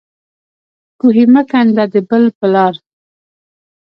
کوهی مه کنده د بل په لار.